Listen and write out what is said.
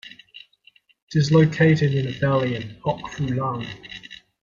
It is located in a valley in Pok Fu Lam.